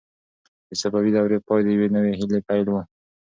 د صفوي دورې پای د یوې نوې هیلې پیل و.